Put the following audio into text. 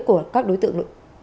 của các đối tượng